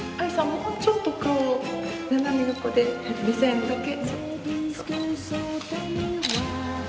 もうちょっと顔を斜め横で目線だけ。